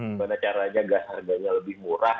gimana caranya gas harganya lebih murah